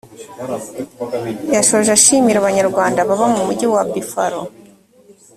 yashoje ashimira abanyarwanda baba mu mugi wa buffalo.